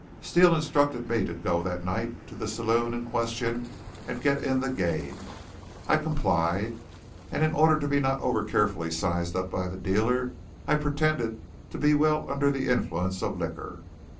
Steele instructed me to go that night to the saloon in question and get in the game. I complied, and, in order not to be overcarefully sized up by the dealer, I pretended to be well under the influence of liquor.